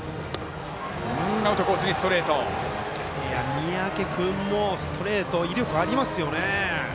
三宅君もストレート威力ありますよね。